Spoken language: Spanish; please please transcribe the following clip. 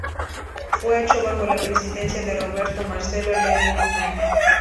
Fue hecho bajo la presidencia de Roberto Marcelo Levingston.